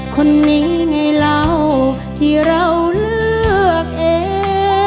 คนนี้ในเราที่เราเลือกเอง